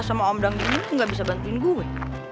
sama om dang gini tuh gak bisa bantuin gue